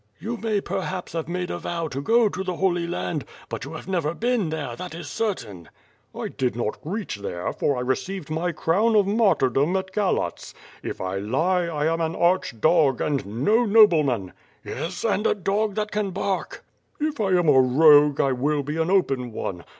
"You may perhaps have made a vow to go to the Holy Land, but you have never been there, that is certain." "I did not reach there, for I received my crown of martyr dom in Oalatz. If I lie, I am an arch dog, and no noble man." "Yes, and a dog that can bark." *lf I am a rogue, I will be an open one.